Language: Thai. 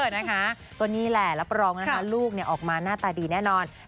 ตัวนี้แหละรับประลองนะคะลูกออกมาหน้าตาดีแน่นอน